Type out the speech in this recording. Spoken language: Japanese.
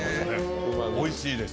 おいしいです。